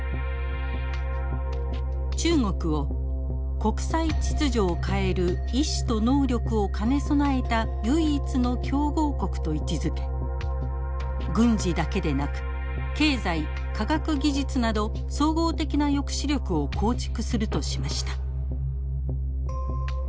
中国を国際秩序を変える意思と能力を兼ね備えた唯一の競合国と位置づけ軍事だけでなく経済科学技術など総合的な抑止力を構築するとしました。